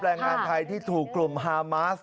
แรงงานไทยที่ถูกกลุ่มฮามาส